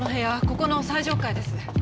ここの最上階です。